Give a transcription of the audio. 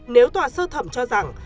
nếu tòa sơ thẩm cho rằng